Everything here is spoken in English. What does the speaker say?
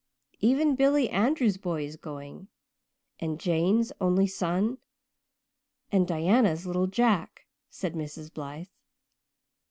"Even Billy Andrews' boy is going and Jane's only son and Diana's little Jack," said Mrs. Blythe.